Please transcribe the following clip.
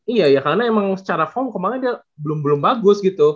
iya ya karena emang secara form kemarin dia belum bagus gitu